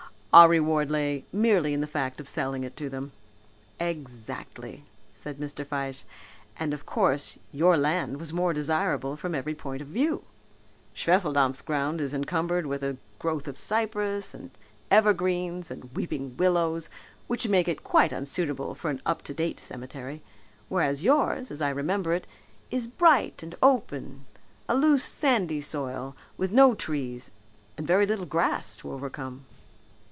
Our reward lay merely in the fact of selling it to them." "Exactly," said Mr. Fyshe, "and of course your land was more desirable from every point of view. Schwefeldampf's ground is encumbered with a growth of cypress and evergreens and weeping willows which make it quite unsuitable for an up to date cemetery; whereas yours, as I remember it, is bright and open a loose sandy soil with no trees and very little grass to overcome."